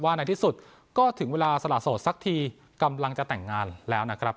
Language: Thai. ในที่สุดก็ถึงเวลาสละโสดสักทีกำลังจะแต่งงานแล้วนะครับ